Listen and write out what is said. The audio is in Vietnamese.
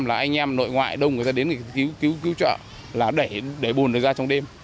anh em nội ngoại đông ra đến cứu trợ để bùn ra trong đêm